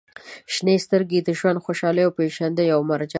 • شنې سترګې د ژوند خوشحالۍ او پېژندنې یوه مرجع ده.